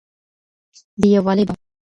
د يووالي باب.